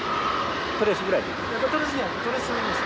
トレースぐらいで？